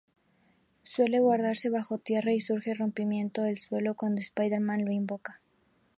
Suele guardarse bajo tierra y surge rompiendo el suelo cuando Spider-Man lo invoca.